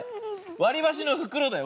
わりばしのふくろだよ。